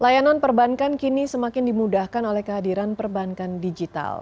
layanan perbankan kini semakin dimudahkan oleh kehadiran perbankan digital